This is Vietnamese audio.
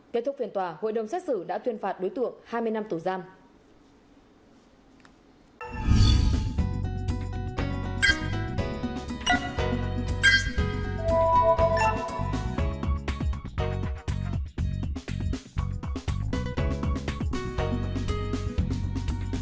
kết thúc phiền tòa hội đồng xét xử đã tuyên phạt đối tượng hai mươi năm tù giam